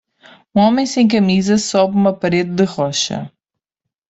Um homem sem camisa sobe uma parede de rocha